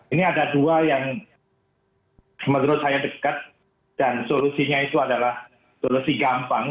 ini ada dua yang menurut saya dekat dan solusinya itu adalah solusi gampang